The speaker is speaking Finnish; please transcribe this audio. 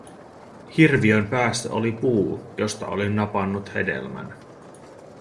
Hirviön päässä oli puu, josta olin napannut hedelmän.